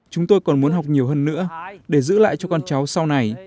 chúng tôi còn muốn học nhiều hơn nữa để giữ lại cho con cháu sau này